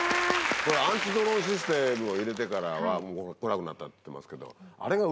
アンチドローンシステムを入れてからは来なくなったっていってますけど。